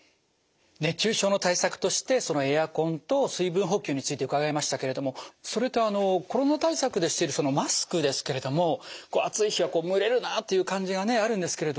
熱中症の対策としてエアコンと水分補給について伺いましたけれどもそれとコロナ対策でしてるマスクですけれども暑い日は蒸れるなあっていう感じがねあるんですけれど。